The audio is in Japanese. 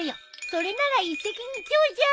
それなら一石二鳥じゃん。